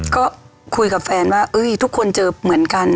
ก็คุยกับแฟนว่าทุกคนเจอเหมือนกัน